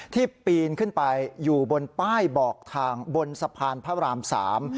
ปีนขึ้นไปอยู่บนป้ายบอกทางบนสะพานพระรามสาม